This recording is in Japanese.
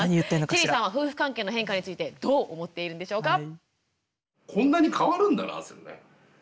チェリーさんは夫婦関係の変化についてどう思っているんでしょうか。